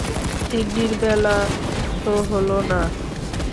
তিন্নির বেলা তা হল না।